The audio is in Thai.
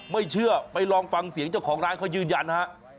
ไม่เชื่อไปลองฟังเสียงเจ้าของร้านเขายืนยันฮะ